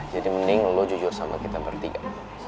jadi mending lu jujur sama kita bertiga